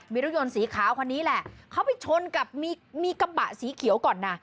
มีรถยนต์สีขาวคนนี้แหละเขาไปชนกับมีมีกระบะสีเขียวก่อนนะ